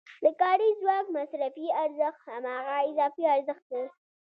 د کاري ځواک مصرفي ارزښت هماغه اضافي ارزښت دی